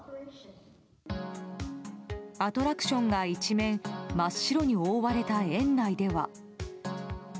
アトラクションが一面真っ白に覆われた園内では。